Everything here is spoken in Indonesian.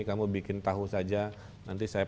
kamu bikin tahu saja nanti saya